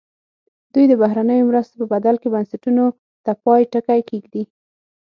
دوی د بهرنیو مرستو په بدل کې بنسټونو ته پای ټکی کېږدي.